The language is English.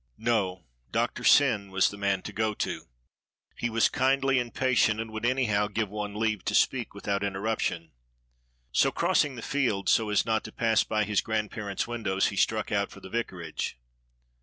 No; Doctor Syn was the man to go to. He was kindly and patient, and would anyhow give one leave to speak without interruption. So, crossing the fields, so as not to pass by his grandparents' windows, he struck out for the vicarage.